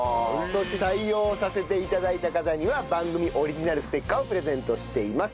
そして採用させて頂いた方には番組オリジナルステッカーをプレゼントしています。